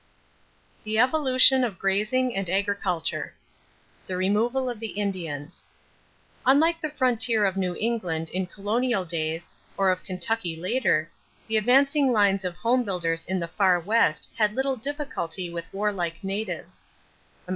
THE EVOLUTION OF GRAZING AND AGRICULTURE =The Removal of the Indians.= Unlike the frontier of New England in colonial days or that of Kentucky later, the advancing lines of home builders in the Far West had little difficulty with warlike natives.